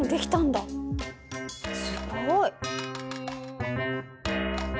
すごい。